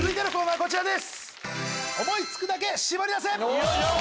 こちらです！